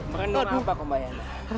merenung apa pembayang